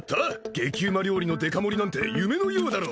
激うま料理のデカ盛りなんて夢のようだろ